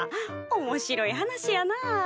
おもしろい話やなあ。